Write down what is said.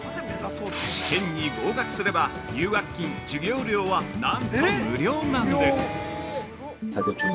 試験に合格すれば入学金、授業料はなんと無料なんです。